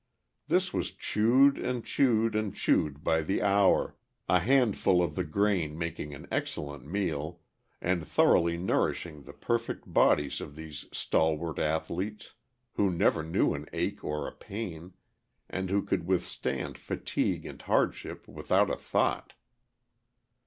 This was chewed and chewed and chewed by the hour, a handful of the grain making an excellent meal, and thoroughly nourishing the perfect bodies of these stalwart athletes, who never knew an ache or a pain, and who could withstand fatigue and hardship without a thought. [Illustration: MY HAVASUPAI HOSTESS PARCHING CORN IN A BASKET.